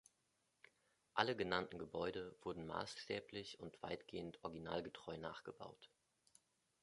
Alle genannten Gebäude wurden maßstäblich und weitgehend originalgetreu nachgebaut.